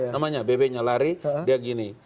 namanya bebeknya lari dia gini